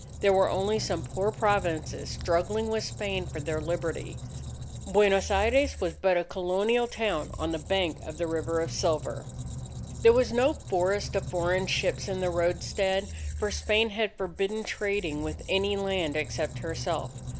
There were only some poor Provinces, struggling with Spain for their Liberty. Buenos Aires was but a Colonial town on the bank of the River of Silver. There was no forest of foreign ships in the roadstead; for Spain had forbidden trading with any land except herself.